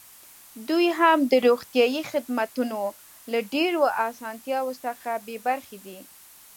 دوی هم د روغتیايي خدمتونو له ډېرو اسانتیاوو څخه بې برخې دي.